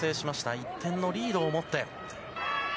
１点のリードを持って。